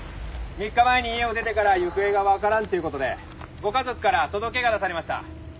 ３日前に家を出てから行方がわからんという事でご家族から届が出されました。